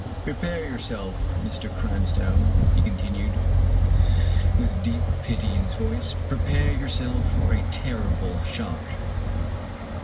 " Prepare yourself, Mr. Cran stoun," he continued, with deep pity in his voice, " prepare yourself for a terrible shock."